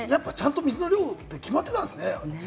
水の量って決まってたんですね。